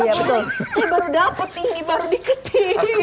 saya baru dapet ini baru diketik